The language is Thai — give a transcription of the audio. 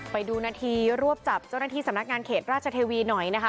ไปดูนาทีรวบจับเจ้าหน้าที่สำนักงานเขตราชเทวีหน่อยนะคะ